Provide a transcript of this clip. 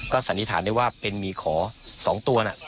สันนิษฐานได้ว่าเป็นมีขอ๒ตัวน่ะ